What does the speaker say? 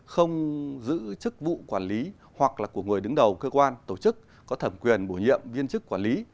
không giữ chức vụ quản lý hoặc là của người đứng đầu cơ quan tổ chức có thẩm quyền bổ nhiệm viên chức quản lý